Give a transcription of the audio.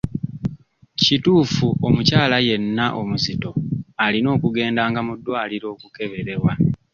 Kituufu omukyala yenna omuzito alina okugendanga mu ddwaliro okukeberebwa.